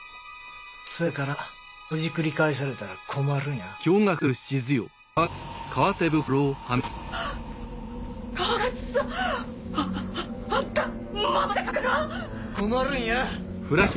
そやからほじくり返されたら困るんや。